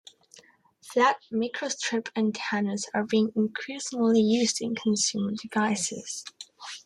Flat microstrip antennas are being increasingly used in consumer devices.